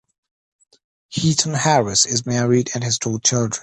Heaton-Harris is married and has two children.